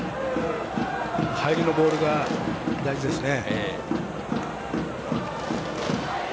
入りのボールが大事ですね。